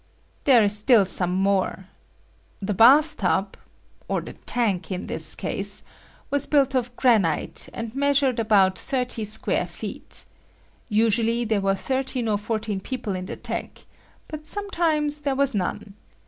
There is still some more. The bath tub,—or the tank in this case,—was built of granite, and measured about thirty square feet. Usually there were thirteen or fourteen people in the tank, but sometimes there was none.